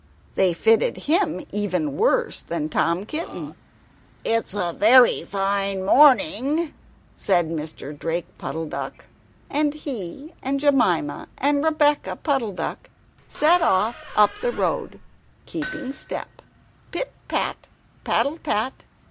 They fitted him even worse than Tom Kitten. "It's a very fine morning!" said Mr. Drake Puddle duck. And he and Jemima and Rebeccah Puddle duck set off up the road, keeping step pit pat, paddle pat!